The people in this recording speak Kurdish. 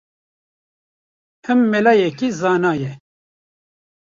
Him melayekî zana ye